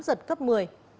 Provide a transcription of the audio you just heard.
vị trí tâm bão số hai